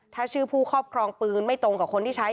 ถ้าชื่อผู้ครอบครองปืนไม่ตรงกับคนที่ใช้